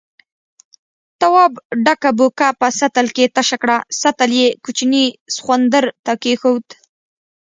تواب ډکه بوکه په سطل کې تشه کړه، سطل يې کوچني سخوندر ته کېښود.